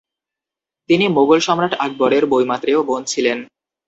তিনি মোগল সম্রাট আকবরের বৈমাত্রেয় বোন ছিলেন।